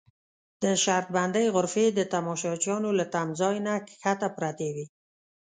د شرط بندۍ غرفې د تماشچیانو له تمځای نه کښته پرتې وې.